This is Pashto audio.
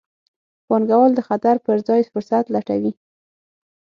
پانګوال د خطر پر ځای فرصت لټوي.